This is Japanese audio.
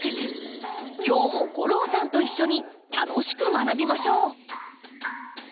今日も吾郎さんと一緒に楽しく学びましょう。